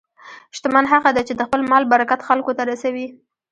شتمن هغه دی چې د خپل مال برکت خلکو ته رسوي.